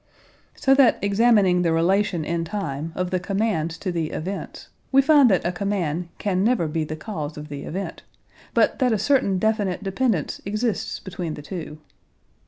So that examining the relation in time of the commands to the events, we find that a command can never be the cause of the event, but that a certain definite dependence exists between the two.